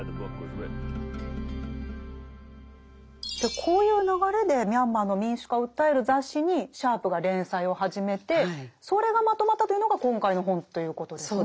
こういう流れでミャンマーの民主化を訴える雑誌にシャープが連載を始めてそれがまとまったというのが今回の本ということですね。